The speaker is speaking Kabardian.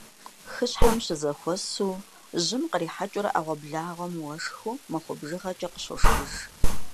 Хыщхьэм щызэхуэсу, жьым кърихьэкӀыурэ Ӏэгъуэблагъэхэм уэшхыу махуэ бжыгъэкӀэ къыщошхыж.